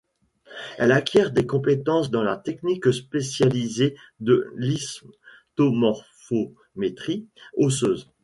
Elle acquiert des compétences dans la technique spécialisée de l'histomorphométrie osseuse.